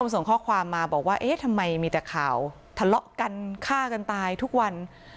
ส่งข้อความมาบอกว่าเอ๊ะทำไมมีแต่ข่าวทะเลาะกันฆ่ากันตายทุกวัน